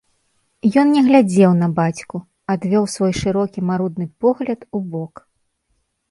Ён не глядзеў на бацьку, адвёў свой шырокі марудны погляд убок.